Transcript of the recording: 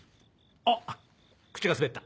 あっ口が滑った。